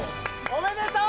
おめでとう！